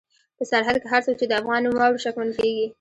په سرحد کې هر څوک چې د افغان نوم واوري شکمن کېږي.